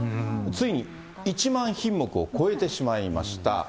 ついに１万品目を超えてしまいました。